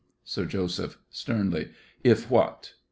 SIR JOSEPH (sternly). If what?